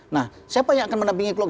nah siapa yang akan menampingi klok